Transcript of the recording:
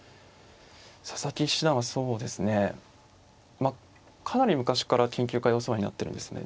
佐々木七段はそうですねまあかなり昔から研究会でお世話になってるんですね。